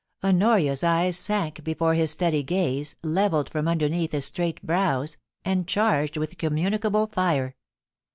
Honoria*s eyes sank before his steady gaze, levelled from underneath his straight brows, and charged with communi cable fire.